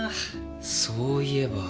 そういえば。